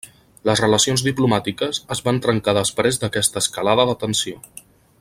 Les relacions diplomàtiques es van trencar després d'aquesta escalada de tensió.